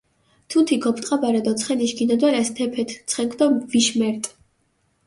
თუნთი გოპტყაბარე დო ცხენიშ გინოდვალას დეფეთჷ ცხენქ დო ვიშ მერტჷ.